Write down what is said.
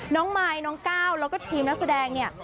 มายน้องก้าวแล้วก็ทีมนักแสดงเนี่ย